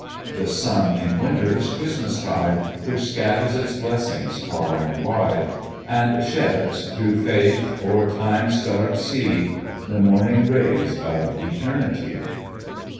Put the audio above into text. "The sun in winter is Christmastide, Which scatters its blessings far and wide, And sheds, through faith, o'er time's dark sea, The morning rays of eternity."